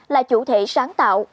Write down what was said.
là chủ thể sáng tạo